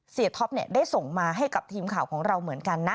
ท็อปได้ส่งมาให้กับทีมข่าวของเราเหมือนกันนะ